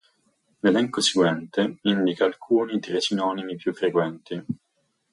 L'elenco seguente indica alcuni tra i sinonimi più frequenti.